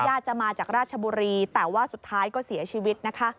จะมาจากราชบุรีแต่ว่าสุดท้ายก็เสียชีวิตนะคะ